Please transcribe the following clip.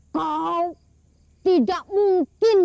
kau tidak mungkin